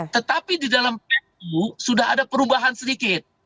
tetapi di dalam perpu sudah ada perubahan sedikit